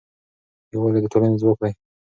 یووالی د ټولنې ځواک دی.